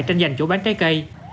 tranh giành chỗ bán trái cây